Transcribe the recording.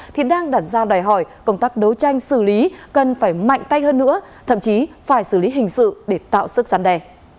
thì đang đặt ra đòi hỏi công tác đấu tranh xử lý cần phải mạnh tay hơn nữa thậm chí phải xử lý hình sự để tạo sức gian đe